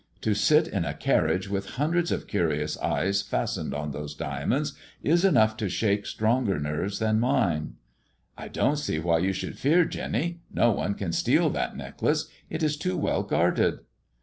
To sit in a carriage with hundreds of curious eyes fastened on those diamonds is enough to shake stronger nerves than mine." " I don't see why you should fear, Jenny. No one can steal that necklace 1 It is too well guarded.''